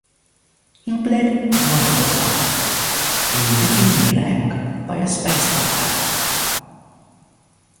He bled one other time, when bitten in the neck by a space vampire.